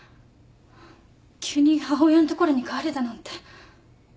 急に母親んところに帰れだなんて。